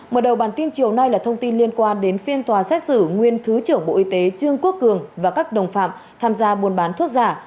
mở đầu bản tin chiều nay là thông tin liên quan đến phiên tòa xét xử nguyên thứ trưởng bộ y tế trương quốc cường và các đồng phạm tham gia buôn bán thuốc giả